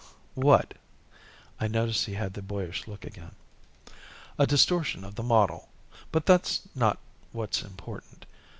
"What?" I noticed he had the boyish look again. "A distortion of the model. But that's not what's important.